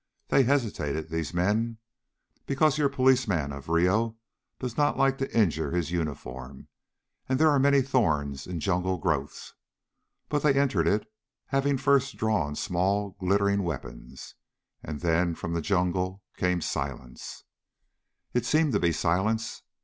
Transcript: They hesitated, these men, because your policeman of Rio does not like to injure his uniform, and there are many thorns in jungle growths. But they entered it, having first drawn small glittering weapons. And then from the jungle came silence. It seemed to be silence.